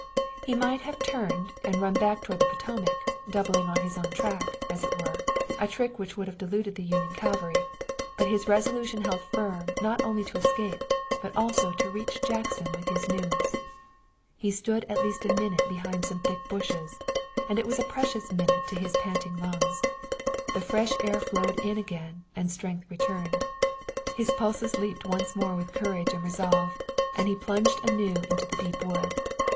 He might have turned and run back toward the Potomac, doubling on his own track, as it were, a trick which would have deluded the Union cavalry, but his resolution held firm not only to escape, but also to reach Jackson with his news. He stood at least a minute behind some thick bushes, and it was a precious minute to his panting lungs. The fresh air flowed in again and strength returned. His pulses leaped once more with courage and resolve, and he plunged anew into the deep wood.